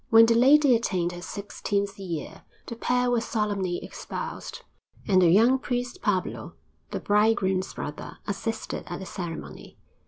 When the lady attained her sixteenth year, the pair were solemnly espoused, and the young priest Pablo, the bridegroom's brother, assisted at the ceremony.